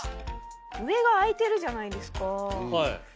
上が開いてるじゃないですか。